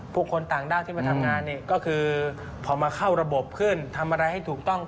พวกคนต่างด้านคำคำนานนี่ก็คือผ่านมาเข้าระบบขึ้นทำอะไรให้ถูกต้อง